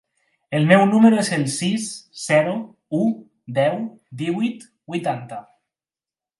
El meu número es el sis, zero, u, deu, divuit, vuitanta.